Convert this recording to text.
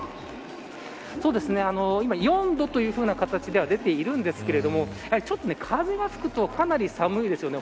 今、４度というふうな形では出ているんですがやはり、ちょっと風が吹くとかなり寒いです。